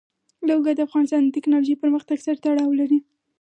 لوگر د افغانستان د تکنالوژۍ پرمختګ سره تړاو لري.